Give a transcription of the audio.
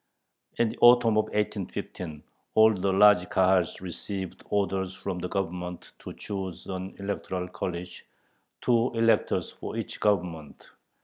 In the autumn of 1815 all the large Kahals received orders from the governors to choose an electoral college, two electors for each Government.